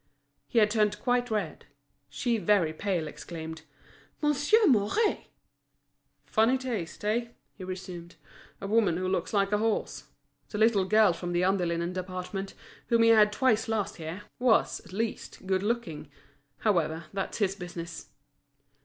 He had turned quite red. She, very pale, exclaimed: "Monsieur Mouret!" "Funny taste—eh?" he resumed. "A woman who looks like a horse. The little girl from the under linen department, whom he had twice last year, was, at least, good looking. However, that's his business."